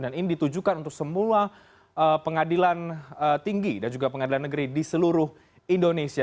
dan ini ditujukan untuk semua pengadilan tinggi dan juga pengadilan negeri di seluruh indonesia